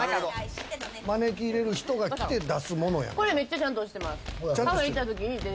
招き入れる人が来て出すものやん。